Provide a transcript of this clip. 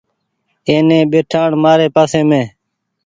ائيني ٻئيٺآڻ مآري پآسي مينٚ